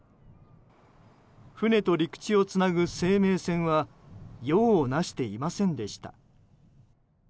船と陸地をつなぐ生命線は用をなしていませんでした。